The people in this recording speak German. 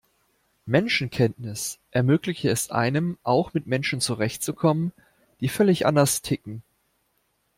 Menschenkenntnis ermöglicht es einem, auch mit Menschen zurecht zu kommen, die völlig anders ticken.